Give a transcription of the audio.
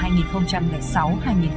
nhiên vụ hai nghìn sáu hai nghìn bảy